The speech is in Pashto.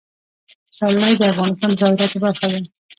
پسرلی د افغانستان د صادراتو برخه ده.